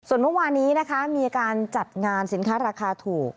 ส่วนเมื่อวานี้นะคะมีการจัดงานสินค้าราคาถูก